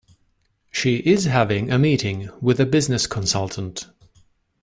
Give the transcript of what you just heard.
She is having a meeting with a business consultant.